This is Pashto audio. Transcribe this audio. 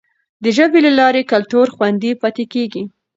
د ژبي له لارې کلتور خوندي پاتې کیږي.